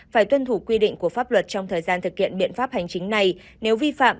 phải tuân thủ quy định của pháp luật trong thời gian thực hiện biện pháp hành chính này nếu vi phạm